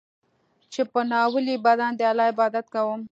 چې په ناولي بدن د الله عبادت کوم.